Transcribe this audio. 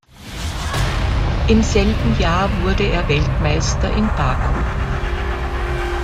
Im selben Jahr wurde er Weltmeister in Baku.